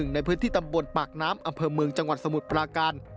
ในพื้นที่ตำบลปากน้ำอำเภอเมืองจังหวัดสมุทรปราการ